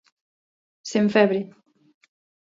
Sen febre.